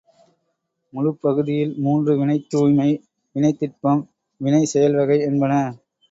முழுப்பகுதியில் மூன்று வினைத்தூய்மை, வினைத்திட்பம், வினை செயல்வகை—என்பன.